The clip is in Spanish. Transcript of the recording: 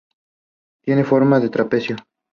Tiene forma de trapecio.